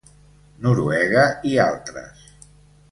Noruega i altres.